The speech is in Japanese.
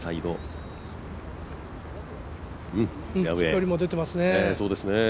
飛距離も出てますね